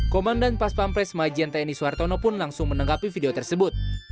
komandan pas pampres majianteni soehartono pun langsung menenggapi video tersebut